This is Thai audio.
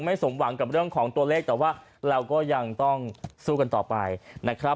สมหวังกับเรื่องของตัวเลขแต่ว่าเราก็ยังต้องสู้กันต่อไปนะครับ